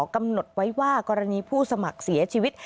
กำหนดไว้ว่ากรณีผู้สมัครเสียชีวิต